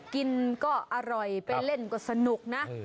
กินก็อร่อยไปเล่นก็สนุกนะ